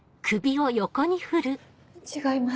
違います。